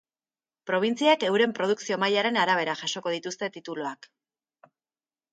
Probintziek, euren produkzio mailaren arabera jasoko dituzte tituluak.